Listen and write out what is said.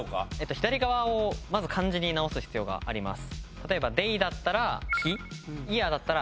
左側をまず漢字に直す必要があります。